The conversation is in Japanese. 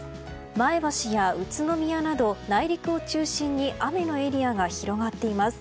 前橋や宇都宮など、内陸を中心に雨のエリアが広がっています。